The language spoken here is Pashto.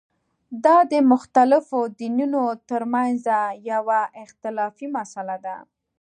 دا د مختلفو دینونو ترمنځه یوه اختلافي مسله ده.